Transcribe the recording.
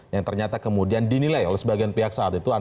yang ternyata kemudian dinilai oleh sebagian pihak saat itu